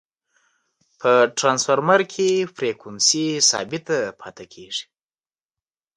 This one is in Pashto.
په ټرانسفرمر کی فریکوینسي ثابته پاتي کیږي.